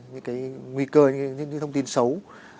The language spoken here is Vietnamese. nguy cơ những thông tin xấu